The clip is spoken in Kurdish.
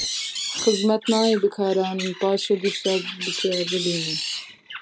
Xizmet nayê bikaranîn, paşê dîsa biceribîne.